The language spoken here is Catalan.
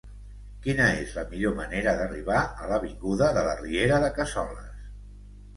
Quina és la millor manera d'arribar a l'avinguda de la Riera de Cassoles?